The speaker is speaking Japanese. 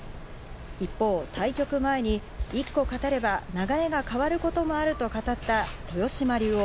一方、対局前に１個勝てれば流れが変わることもあると語った豊島竜王。